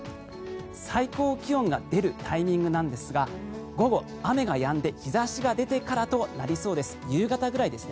最高気温が出るタイミングなんですが午後、雨がやんで日差しが出てからとなりそうです。